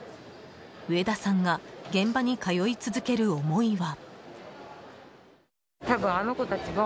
植田さんが現場に通い続ける思いは。